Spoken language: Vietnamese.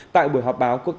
tại buổi họp báo quốc tế